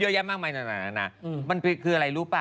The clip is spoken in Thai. เยอะแยะมากมายนะมันคืออะไรรู้ป่ะ